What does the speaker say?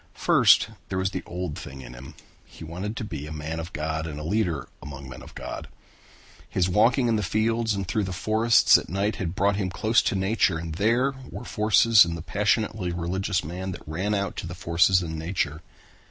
First there was the old thing in him. He wanted to be a man of God and a leader among men of God. His walking in the fields and through the forests at night had brought him close to nature and there were forces in the passionately religious man that ran out to the forces in nature.